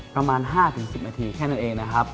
ประมาณ๕๑๐นาทีแค่นั้นเองนะครับ